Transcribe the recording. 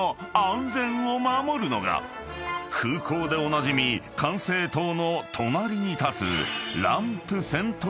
［空港でおなじみ管制塔の隣に立つ］